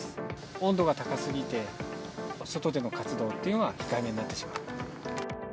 温度が高すぎて、外での活動っていうのは控えめになってしまう。